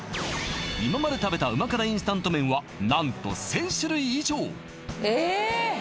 今まで食べた旨辛インスタント麺は何と１０００種類以上えっ！